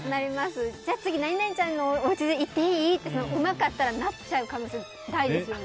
次何々ちゃんのおうち行っていい？ってうまかったらなっちゃう可能性大ですよね。